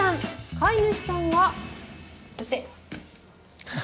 飼い主さんが。